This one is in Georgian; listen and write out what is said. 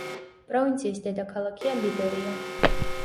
პროვინციის დედაქალაქია ლიბერია.